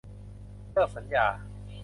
เลิกสัญญา